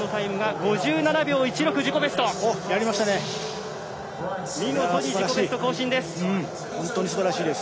見事に自己ベスト更新です。